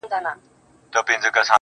له عمره د حيات په دروازه کي سره ناست وو_